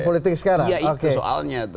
politik sekarang iya itu soalnya tuh